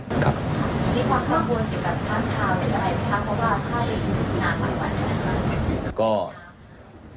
คุณพ่อมีความข้อมูลอยู่กับท่ำทาวน์อีกกว่าไหนครับเพราะว่าข้าวเลี้ยงหนักมากกว่านั้นนะครับ